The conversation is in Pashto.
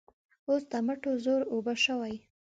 اوس د مټو زور اوبه شوی.